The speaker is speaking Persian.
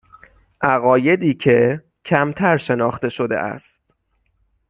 عقایدی که کمتر شناخته شده است